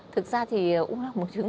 thực ra thì u nang bùng trứng